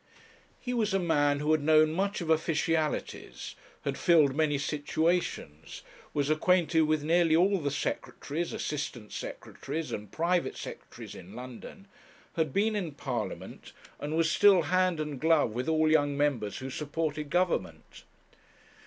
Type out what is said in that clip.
He was a man who had known much of officialities, had filled many situations, was acquainted with nearly all the secretaries, assistant secretaries, and private secretaries in London, had been in Parliament, and was still hand and glove with all young members who supported Government.